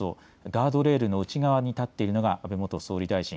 ガードレールの内側に立っているのが安倍元総理大臣。